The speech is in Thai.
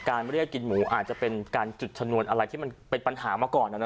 เรียกกินหมูอาจจะเป็นการจุดชนวนอะไรที่มันเป็นปัญหามาก่อน